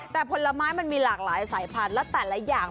แต่ผลไม้มันมีหลากหลายสายพันธุ์และแต่ละอย่าง